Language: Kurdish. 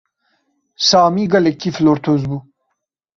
Samî gelekî flortoz bû.